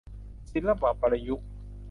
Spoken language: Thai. ศิลปะประยุกต์